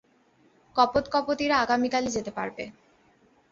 কপোত-কপোতিরা আগামিকালই যেতে পারবে।